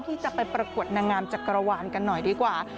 ที่จะไปประกวดนางงามจักรวาลกันหน่อยดีกว่า